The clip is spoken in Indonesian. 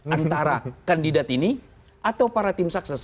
antara kandidat ini atau para tim sukses